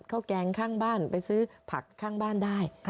แกงข้างบ้านไปซื้อผักข้างบ้านได้